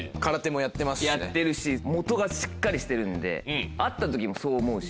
もとがしっかりしてるんで会った時もそう思うし。